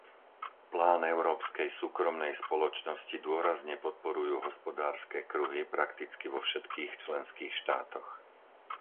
Plán európskej súkromnej spoločnosti dôrazne podporujú hospodárske kruhy prakticky vo všetkých členských štátoch.